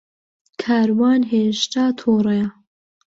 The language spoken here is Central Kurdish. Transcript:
کاروان ھێشتا تووڕەیە.